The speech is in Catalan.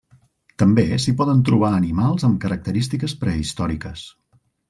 També s'hi poden trobar animals amb característiques prehistòriques.